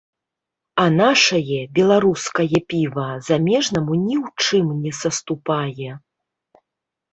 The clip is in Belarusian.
А нашае, беларускае піва, замежнаму ні ў чым не саступае.